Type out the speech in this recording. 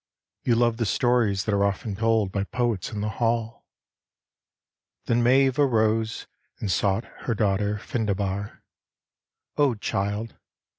You love the stories that are often told By poets in the hall." Then Maeve arose And sought her daughter Findebar :" O, child.